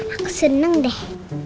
aku seneng deh